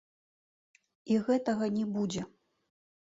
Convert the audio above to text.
І гэтага не будзе!